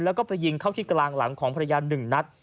แล้วก็ไปยิงเข้าที่กลางหลังของภรรยา๑นัด